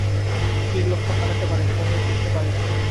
তীর লক্ষ্য হারাতে পারে তূণে ফিরতে পারে না।